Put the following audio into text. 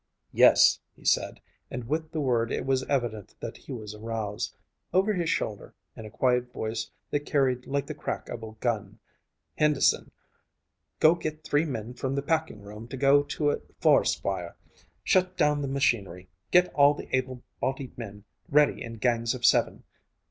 "Yes," he said, and with the word it was evident that he was aroused. Over his shoulder, in a quiet voice that carried like the crack of a gun: "Henderson, go get three men from the packing room to go to a forest fire. Shut down the machinery. Get all the able bodied men ready in gangs of seven.